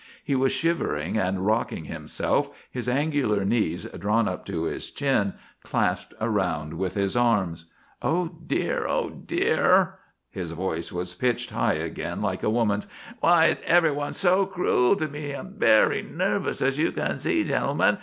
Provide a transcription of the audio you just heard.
He was shivering and rocking himself, his angular knees drawn up to his chin, clasped around with his arms. "Oh, dear! Oh, dear!" His voice was pitched high again like a woman's. "Why is everyone so cruel to me? I am very nervous, as you can see, gentlemen.